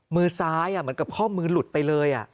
มือซ้ายเหมือนกับข้อมือหลุดไปเลย